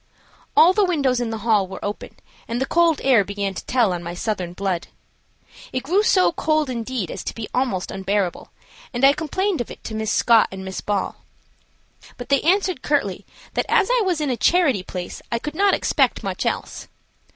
All the windows in the hall were open and the cold air began to tell on my Southern blood. It grew so cold indeed as to be almost unbearable, and I complained of it to Miss Scott and Miss Ball. But they answered curtly that as I was in a charity place I could not expect much else.